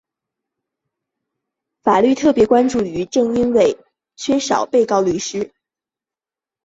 法院特别专注于因为被告缺少律师而有异于正当程序条款使得审判不公正的案件。